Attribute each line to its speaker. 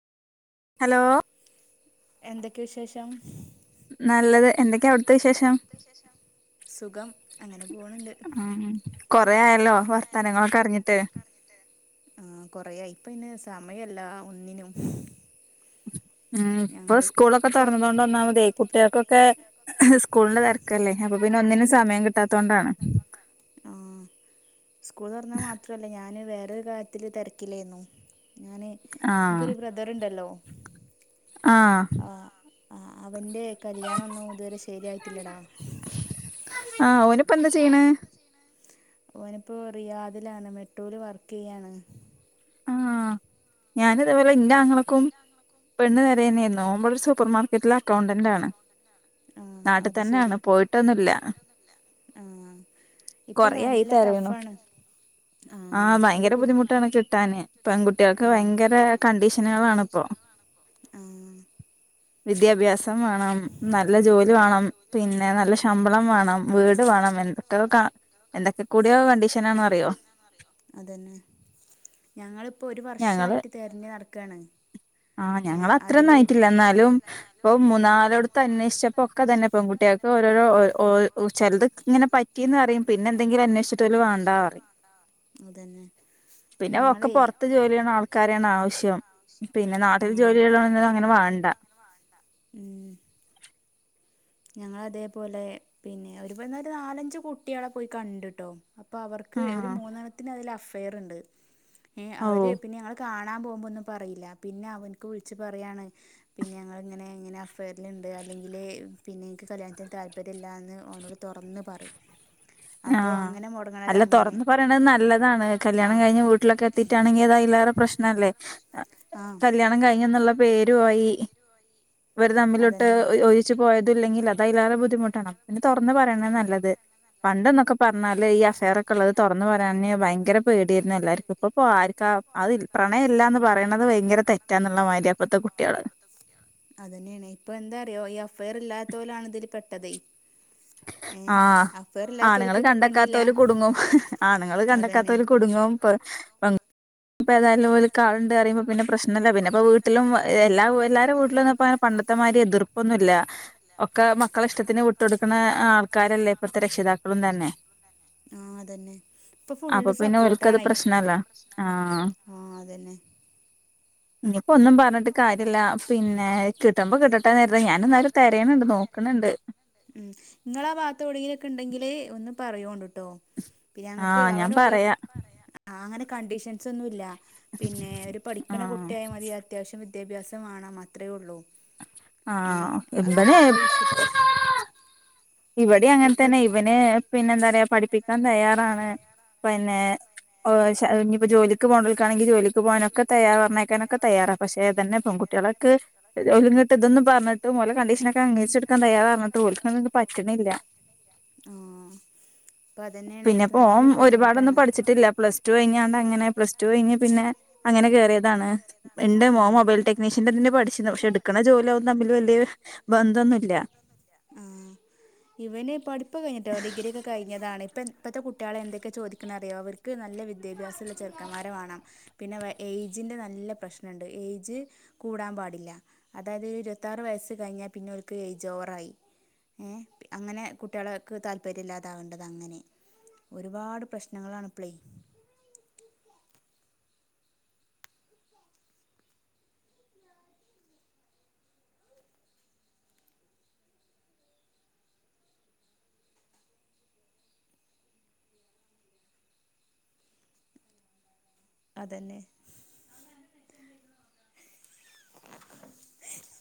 Speaker 1: എന്തൊക്കെയ വിശേഷം?
Speaker 2: നല്ലത് എന്തൊക്കെയാ അവിടുത്തെ വിശേഷം? ഉം കൊറെ ആയല്ലോ വർത്തനങ്ങളൊക്കെ അറിഞ്ഞിട്ട്
Speaker 1: ഉം കൊറയായി ഇപ്പൊ സമയല്ല ഒന്നിനും.
Speaker 2: ഉം ഇപ്പൊ സ്കൂളൊക്കെ തൊറന്നോണ്ട് ഒന്നാമതെയ് കുട്ടേൾക്കൊക്കെ ഹ് സ്കൂളിന്റെ തെരക്കല്ലേ അപ്പൊ പിന്നെ ഒന്നിനും സമയം കിട്ടാത്തോണ്ടാണ്.
Speaker 1: ആ സ്കൂൾ തൊറന്ന മാത്രല്ല ഞാന് വേ റെ കാര്യത്തിൽ തിരക്കിലേന്നു. ഞാന് ഇൻക്കൊരു ബ്രദറുണ്ടല്ലോ ആ ആ അവന്റെ കല്യാണം ഒന്നും ഇതുവരെ ശരിയായിട്ടില്ലടാ.
Speaker 2: ആ ഓനിപ്പോ എന്താ ചെയ്യണ്?
Speaker 1: ഓനിപ്പോ റിയാദിലാണ് മെട്രോൽ വർക്കിയ്യാണ്.
Speaker 2: ആ ഞാനിതേപോലെ ഇന്റെ അങ്ങളക്കും പെണ്ണ് തെരെന്നെയ്രുന്നു. ഓമ്പടൊരു സൂപ്പർമാർക്കറ്റിലെ അക്കൗണ്ടന്റ് ആണ്. നാട്ടിതന്നെയാണ് പോയിട്ടൊന്നുല്ല.
Speaker 1: ആഹ് ഇപ്പൊ നല്ല ടഫാണ്.
Speaker 2: ആഹ് ഭയങ്കര ബുദ്ധിമുട്ടാണ് കിട്ടാൻ. പെൺകുട്ടേൾക്ക് ഭയങ്കര കണ്ടീഷനുകളാണ്പ്പൊ. വിദ്യാഭ്യാസം വേണം നല്ല ജോലി വേണം പിന്നെ നല്ല ശമ്പളം വേണം വീട് വേണം എന്തൊക്കെ എന്തൊക്കെ കൂടിയ വ ോ
Speaker 1: ഞങ്ങളിപ്പോൊ ഒരു വർഷമായിട്ട് തരഞ്ഞ നടക്കുകയാണ്
Speaker 2: ആഹ് ഞങ്ങ അത്രന്നായിട്ടില്ല എന്നാലും ഇപ്പൊ മൂന്നാല അടത്ത് അന്വേഷിച്ചപ്പോ ഒക്കെ തന്നെ പെൺകുട്ടിയ ഓരോരോ ചിലത് ഇങ്ങനെ പറ്റ ന്ന് പറയും പിന്നെ എന്തെങ്കിലും അന്വേഷിട്ടല വേണ്ടാ പറയും പിന്നെ ഒക്കെ പുറത്ത് ജോലി ചെയ്യുന്ന ആൾക്കാരെയാണ് ആവശ്യം പിന്നെ നാട്ടിൽ ജോലി ചെയും അങ്ങനെ വേണ്ട
Speaker 1: ഞങ്ങള അതേപോലെ പിന്നെ ഒരുന്ന ഒരു നാലഞ്ച കുട്ടികളെ പോയി കണ്ടുട്ടോ അവൂ കാന്നുംന്നെ വി പറയാണ്െ ഞെ അല്ലെങ്കിൽ പിന്നെ എനിക്ക് കല്യാണത്തിന് താല്പര്യംമല്ല എന്ന് അവനോട് തുറന്ന് പറയും അപ്പൊ അങ്ങനെ
Speaker 2: അല്ല തുറന്ന് പറയണത് നല്ലതാണ് കല്യാണം കഴിഞ്ഞഞ് വീട്ടിലക്കെ എത്തിയിട്ടാണെങ്കിൽ അതാതില്ലാറെ പ്രശ്നം ല്ലേ കല്യാണം കഴിഞ്ഞന്നുള്ള പേരു ആയി ഇവർ തമ്മിലോട്ട് ഒരിിു പോയതല്ലെങ്കിൽ അ അതതിലേറെ ബുദ്ധിമുട്ടാണ് പിന്നെ തുറന്ന് പറയണ നല്ലത് പണ്ടന്നൊക്കെ പറഞ്ഞാല് ഈഫയർക്കെ ഉള്ളത് തുറന്ന് പറ ഭയങ്കര പേടിരരുന്നു എല്ലാവർക്കും ഇപ്പപ്പോ ആർക്ക അ പ്രണയമല്ലാ എന്ന് പറയണുന്നത് ഭയങ്കര തെറ്റാ എന്നുള്ള മാതിരിയാ അപ്പത്തെ കുട്ടികള്
Speaker 1: അതന്നെയാണ് ഇപ്പൊ എന്താറിയോ ഈ എഫ്ഐആർ ഇല്ലാത്ത പോലാണ് ഇതില് പെട്ടത്േ ഏ അപ്പ
Speaker 2: ആണുങ്ങൾ കണ്ടക്കാത്തവല് കുടുങ്ങും ആണുങ്ങൾ കണ്ടക്കാത്തവല് കുടുങ്ങും ഇ ഇപ്പൊ തായാലുംല കാ ഉണ്ട് അ പറിയുമ്പോ പിന്നെ പ്രശ്നമല്ല പിന്നെ അപ്പ വീിലും എാ എല്ലാരും വീട്ടിലുംന്ന അത്തമാതി എതിർപ്പൊന്നുമില്ല ഒക്കെ മക്കള ഇഷ്ടത്തിന് വിട്ട്ൊടുക്കുന്ന ആൾക്കാരല്ലേ ഇപ്പഴത്തെ രക്ഷിതാക്കളും തന്നെ
Speaker 1: ആ അതന്നെ ഇപ്പൊ ഫുള്ള് സപ്പോർട്ട ആണായി ആഹ അതന്നെ
Speaker 2: ഉ ഒന്നും പറഞ്ഞിട്ട് കാര്യില്ല പിന്നെ കിട്ടുമ്പോ കിട്ടെ നേര ഞാനന്നാലും തരയണണ്ട് നോക്കണണ്ട്
Speaker 1: ഉം നിങ്ങളാ ഭാത്തോവിടങ്കിലൊക്കെ ഉണ്ടെങ്കിലേ ഒന്ന് പറയോണ്ട
Speaker 2: ആഹ ഞാൻ പറയാ
Speaker 1: ആ അങ്ങനെ കണ്ടീഷൻസ് ഒന്നുംല്ല പിന്നെ ഒരു പഠിക്കണ കുട്ടിയായ മതി വിദ്യാഭ്യസം ആണാ മാത്രമേ ഉള്ളൂ
Speaker 2: ആഹ എന്തനെ ഇവിടെ അങ്ങനെ തന്നെ ഇവന് പിന്നെ എന്താ പറയാ പഠിപ്പിക്കാൻ തയ്യാറാണ് പിന്നെ ഇനിപ്പോ ജോലിക്ക് പോകേണ്ടക്കാണങ്ക ജോലിക്ക് പോകാനൊക്കെയ്യാർ പറഞ്ഞേക്കൊക്കെ തയ്യാറ പക്ഷേ തന്നെ പെകുട്ടി കുട്ടികളൊെ കിട്ട് ഇതന്ന പറഞ്ഞിട്ട ഒല കണ്ടീഷനൊക്കെ അംഗീരിച്ചെടുാൻ തയ്യാറഞ്ഞിട്ട് പട്ടുന്നില്ല പിന്നെപ്പോം ഒരുപാടൊന്നും പഠിച്ചിട്ടില്ല പ്ലസ് ടു കഴിഞ്ഞാണ്ട് അങ്ങനെ പ്ലസ് ടു കഴിഞ് പിന്നെ അങ്ങന കയറിയതാണ് എന്റെ മോ മൊബൈൽ ടെക്നീഷ്യന്റെ തന്നെ പഠിച്ചിരുന്നു പക്ഷെ എടുക്കണ ജോലിയാകും തമ്മിൽ വലിയ ബന്ധൊന്നുമല്ല [inaudible]
Speaker 1: ഇവന് പഠിപ്പ് കഴിഞ്ഞിട്ട ഡിഗ്രി ഒക്കെ കഴിഞ്ഞതാണ് ഇപ്പം ഇപ്പോഴത്തെ കുട്ടികളെ എന്തൊക്കെ ചോദിക്കണ അറിയോ അവർക്ക് നല്ല വിദ്യാഭ്യാസംുള്ള ചെറുക്കമാരമാേണം പിന്നെ ഏജിൻ്റെ നല്ല പ്രശ്നം ണ്ട് ഏജ് കൂടാൻ പാടില്ല അതായത് ഇരുപത്താറ് വയസ്സ് കഴിഞ്ഞാൽ പിന്നെ അവക്ക് ഏജ് ഓവറായി അങ്ങനെ കുട്ടിക താല്പര്യ ഇല്ലാതാവേണ്ടത് അങ്ങനെ ഒരുപാട് പ്രശ്നങ്ങളാണ് പ്ലേ അതെന്നെ